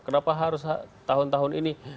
kenapa harus tahun tahun ini